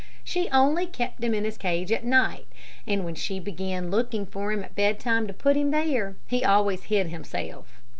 She only kept him in his cage at night, and when she began looking for him at bedtime to put him there, he always hid himself.